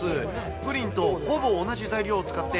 プリンとほぼ同じ材料を使って、